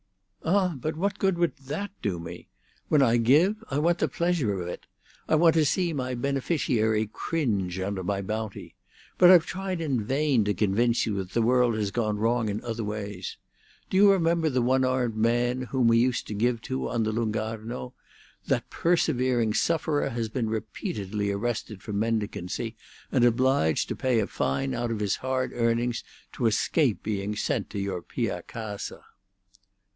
"Ah, but what good would that do me? When I give I want the pleasure of it; I want to see my beneficiary cringe under my bounty. But I've tried in vain to convince you that the world has gone wrong in other ways. Do you remember the one armed man whom we used to give to on the Lung' Arno? That persevering sufferer has been repeatedly arrested for mendicancy, and obliged to pay a fine out of his hard earnings to escape being sent to your Pia Casa."